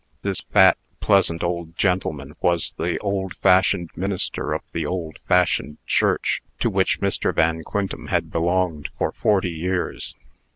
This fat, pleasant old gentleman was the old fashioned minister of the old fashioned church to which Mr. Van Quintem had belonged for forty years.